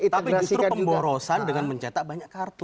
tapi justru pemborosan dengan mencetak banyak kartu